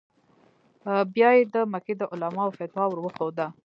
بیا یې د مکې د علماوو فتوا ور وښوده.